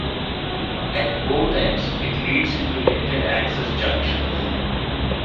At both ends it leads into limited-access junctions.